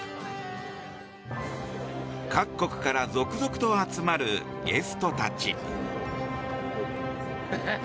各国から続々と集まるゲストたち。